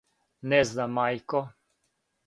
Не знам, мајко.